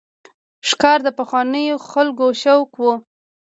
ښکار د پخوانیو خلکو شوق و.